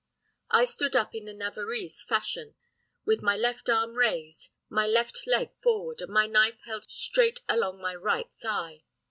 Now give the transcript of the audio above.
I stood up in the Navarrese fashion, with my left arm raised, my left leg forward, and my knife held straight along my right thigh.